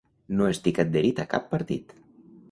No estic adherit a cap partit.